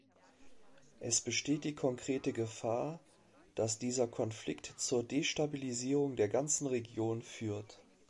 Es besteht die konkrete Gefahr, dass dieser Konflikt zur Destabilisierung der ganzen Region führt.